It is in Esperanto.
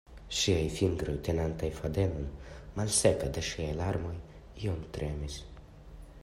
Ŝiaj fingroj, tenantaj fadenon, malseka de ŝiaj larmoj, iom tremis.